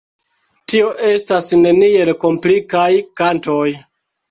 Tio estas neniel komplikaj kantoj.